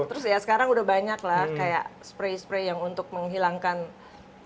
terus ya sekarang udah banyak lah kayak spray spray yang untuk menghilangkan